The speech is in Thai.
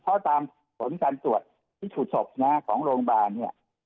เพราะตามผลการตรวจที่ถูกจบของโรงบาลเนี่ย